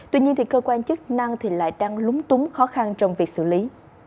tuy nhiên cơ quan chức năng lại đang lúng túng khó khăn trong việc xử lý